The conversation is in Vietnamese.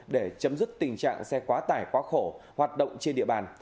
để chấm dứt tình trạng xe quá tải quá khổ hoạt động trên địa bàn